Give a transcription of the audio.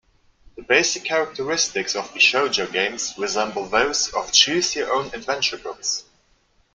The basic characteristics of bishojo games resemble those of Choose Your Own Adventure books.